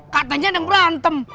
katanya ada berantem